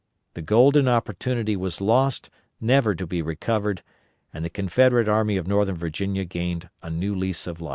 The golden opportunity was lost, never to be recovered, and the Confederate Army of Northern Virginia gained a new lease of life."